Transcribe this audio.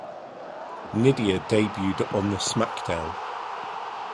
Nidia debuted on the SmackDown!